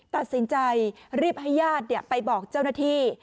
ตัดสินใจรีบให้ญาติไปบอกเจ้าหน้าที่